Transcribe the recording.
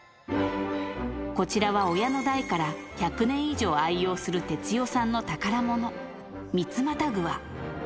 こちらは親の代から１００年以上愛用する哲代さんの宝物、三つまたぐわ。